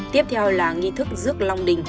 tiếp theo là nghi thức rước long đình